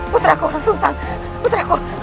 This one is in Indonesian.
puter aku orang susah puter aku